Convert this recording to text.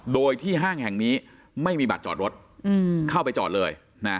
โดยที่ห้างแห่งนี้ไม่มีบัตรจอดรถเข้าไปจอดเลย